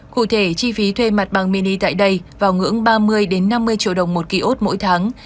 cụ thể chi phí thuê mặt bằng mini tại đây vào ngưỡng ba mươi năm mươi triệu đồng một ký ốt mỗi tháng